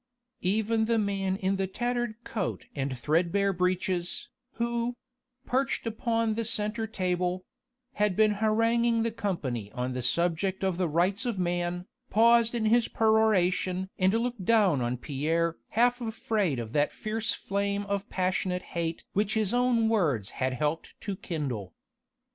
Even the man in the tattered coat and threadbare breeches, who perched upon the centre table had been haranguing the company on the subject of the Rights of Man, paused in his peroration and looked down on Pierre half afraid of that fierce flame of passionate hate which his own words had helped to kindle.